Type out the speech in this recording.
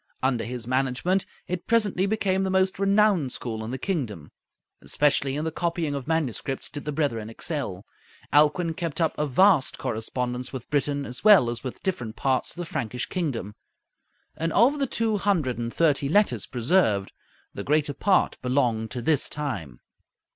Under his management, it presently became the most renowned school in the kingdom. Especially in the copying of manuscripts did the brethren excel. Alcuin kept up a vast correspondence with Britain as well as with different parts of the Frankish kingdom; and of the two hundred and thirty letters preserved, the greater part belonged to this time.